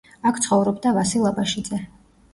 აქ ცხოვრობდა ვასილ აბაშიძე.